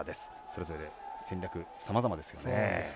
それぞれ、戦略さまざまですよね。